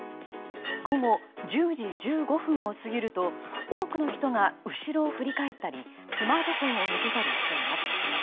午後１０時１５分を過ぎると多くの人が後ろを振り返ったりスマートフォンを向けたりしています。